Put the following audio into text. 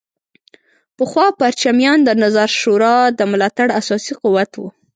پخوا پرچمیان د نظار شورا د ملاتړ اساسي قوت وو.